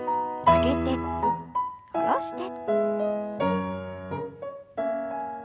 上げて下ろして。